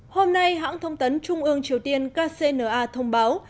hôm nay hãng thông tấn trung ương triều tiên kcna thông báo